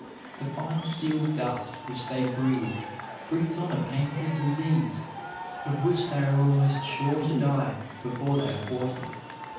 The fine steel dust which they breathe brings on a painful disease, of which they are almost sure to die before they are forty.